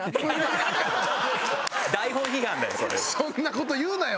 そんな事言うなよ！